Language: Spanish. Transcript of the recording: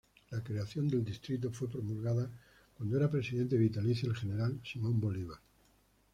La creación del distrito fue promulgada cuando era Presidente vitalicio el general Simón Bolívar.